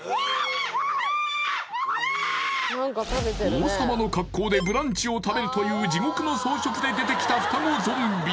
王様の格好でブランチを食べるという地獄の装飾で出てきた双子ゾンビ